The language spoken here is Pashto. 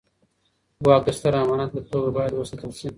واک د ستر امانت په توګه بايد وساتل سي.